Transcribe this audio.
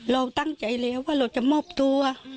เราตั้งใจแล้วว่าเราจะมอบตัว